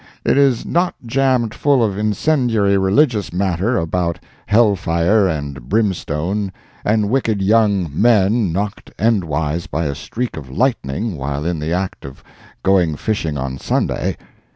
It is not jammed full of incendiary religious matter about hell fire, and brimstone, and wicked young men knocked endways by a streak of lightning while in the act of going fishing on Sunday.